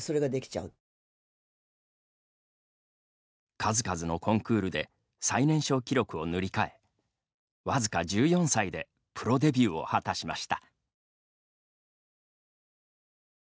数々のコンクールで最年少記録を塗り替え僅か１４歳でプロデビューを果たしました。